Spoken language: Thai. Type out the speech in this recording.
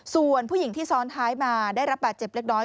ส่วนผู้หญิงที่ซ้อนท้ายมาได้รับบาดเจ็บเล็กน้อย